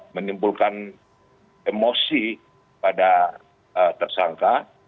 menimbulkan emosi pada tersangka